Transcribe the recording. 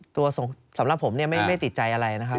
สำหรับผมเนี่ยไม่ติดใจอะไรนะครับ